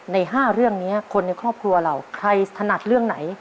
ใน๕เรื่องนี้คนในครอบครัวเราใครถนัดเรื่องไหน